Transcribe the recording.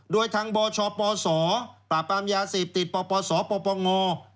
โดยทางบชปศปราบปรามยาเสพติดปปศปปง